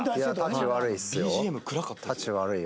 タチ悪いよ。